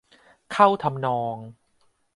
เข้าทำนอง